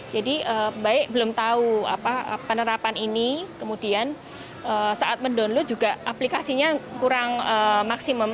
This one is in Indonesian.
jadi baik belum tahu penerapan ini kemudian saat mendownload juga aplikasinya kurang maksimum